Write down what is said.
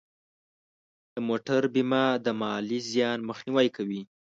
د موټر بیمه د مالی زیان مخنیوی کوي.